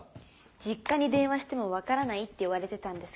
実家に電話しても分からないって言われてたんです